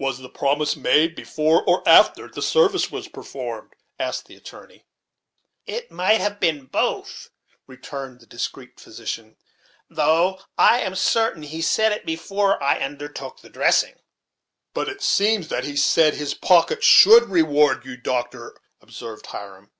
"Was the promise made before or after the service was performed?" asked the attorney. "It might have been both," returned the discreet physician; "though I'm certain he said so before I undertook the dressing." "But it seems that he said his pocket should reward you, doctor," observed Hiram.